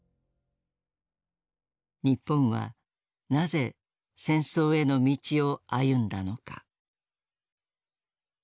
日本はなぜ戦争への道を歩んだのか。